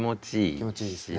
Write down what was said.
気持ちいいですね。